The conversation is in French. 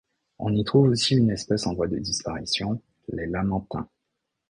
On y trouve aussi une espèce en voie de disparition, les lamantins.